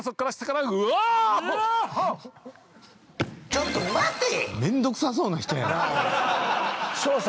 ちょっと待てぃ！！